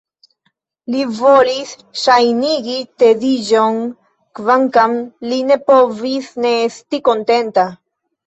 Li volis ŝajnigi tediĝon, kvankam li ne povis ne esti kontenta.